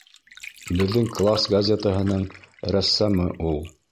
Беҙҙең класс газетаһының рәссамы ул.